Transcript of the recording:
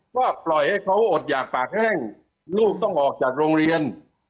ก็ปล่อยให้เขาอดหยากปากแห้งลูกต้องออกจากโรงเรียน